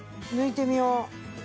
抜いてみよう。